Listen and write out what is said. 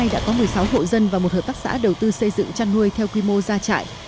đã có một mươi sáu hộ dân và một hợp tác xã đầu tư xây dựng chăn nuôi theo quy mô ra trại